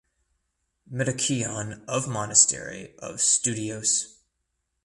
Metochion of Monastery of Stoudios.